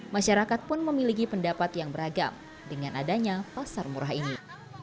masyarakat pun memiliki pendapat yang beragam dengan adanya pasar murah ini